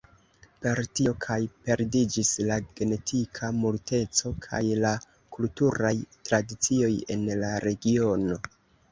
Per tio kaj perdiĝis la genetika multeco kaj la kulturaj tradicioj en la regionoj.